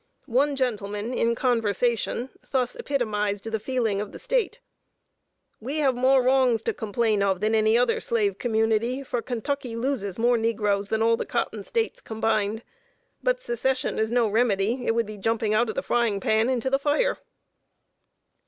One gentleman, in conversation, thus epitomized the feeling of the State: "We have more wrongs to complain of than any other slave community, for Kentucky loses more negroes than all the cotton States combined. But Secession is no remedy. It would be jumping out of the frying pan into the fire."